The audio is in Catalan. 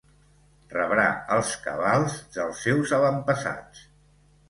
Rebrà els cabals dels seus avantpassats.